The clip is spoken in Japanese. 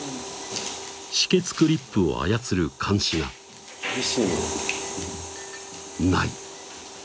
止血クリップを操る鉗子がない！